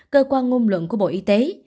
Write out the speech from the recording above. cơ quan ngôn luận của bộ y tế